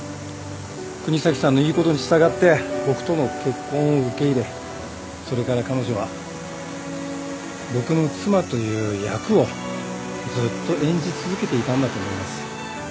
國東さんの言うことに従って僕との結婚を受け入れそれから彼女は僕の妻という役をずっと演じ続けていたんだと思います。